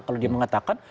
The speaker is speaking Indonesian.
kalau dia mengatakan